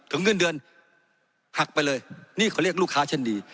เงินเดือนหักไปเลยนี่เขาเรียกลูกค้าเช่นดี